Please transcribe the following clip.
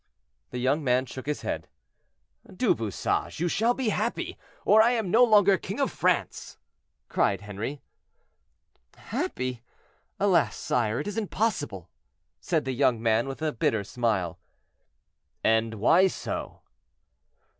The young man shook his head. "Du Bouchage, you shall be happy, or I am no longer king of France!" cried Henri. "Happy! alas, sire, it is impossible," said the young man with a bitter smile. "And why so?"